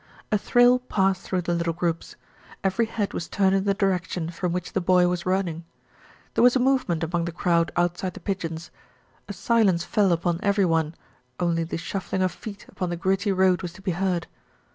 A thrill passed through the little groups. Every head was turned in the direction from which the boy was running. There was a movement among the crowd outside The Pigeons. A silence fell upon every one, only the shuffling of feet upon the gritty road was to be heard.